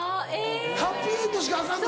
ハッピーエンドしかアカンの？